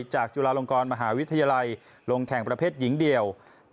จุฬาลงกรมหาวิทยาลัยลงแข่งประเภทหญิงเดี่ยว